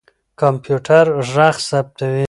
کمپيوټر ږغ ثبتوي.